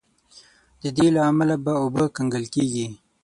د دې له امله به اوبه کنګل کیږي.